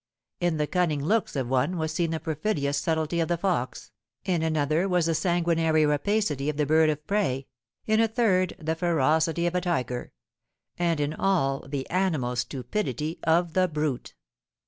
In the cunning looks of one was seen the perfidious subtlety of the fox, in another was the sanguinary rapacity of the bird of prey, in a third, the ferocity of a tiger; and, in all, the animal stupidity of the brute.